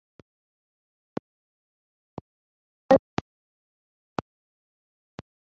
Nkumva ndabakunze mu buryo ntazi ,bikandangaza